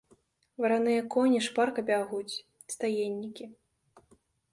Вараныя коні шпарка бягуць, стаеннікі.